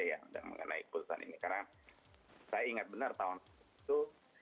yang mengenai keputusan ini karena saya ingat benar tahun itu